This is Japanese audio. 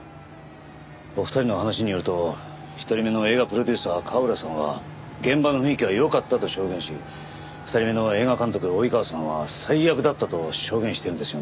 お二人の話によると１人目の映画プロデューサー川浦さんは現場の雰囲気は良かったと証言し２人目の映画監督の及川さんは最悪だったと証言してるんですよね。